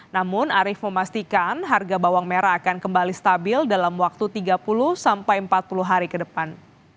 namun arief memastikan harga bawang merah akan kembali stabil dalam waktu tiga puluh sampai empat puluh hari ke depan